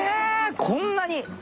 こんなに。